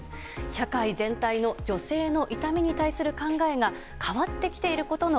社会全体の、女性の痛みに対する考えが変わってきていることの